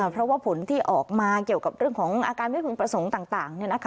เพราะว่าผลที่ออกมาเกี่ยวกับเรื่องของอาการไม่พึงประสงค์ต่าง